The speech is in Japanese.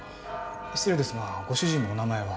失礼ですがご主人のお名前は？